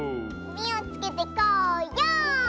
みをつけてこうよう！